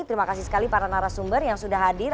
terima kasih sekali para narasumber yang sudah hadir